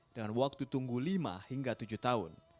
dengan waktu tunggu lima hingga tujuh tahun